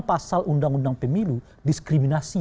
pasal undang undang pemilu diskriminasi